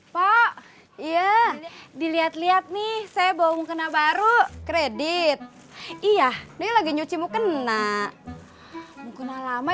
pak ya dilihat lihat nih saya bawa mukena baru kredit iya ini lagi nyuci mukena mukena lama